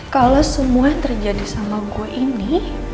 kalau semua terjadi sama gue ini